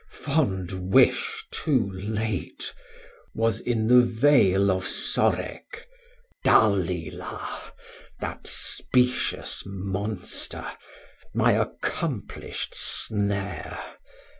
fond wish too late) Was in the Vale of Sorec, Dalila, That specious Monster, my accomplisht snare.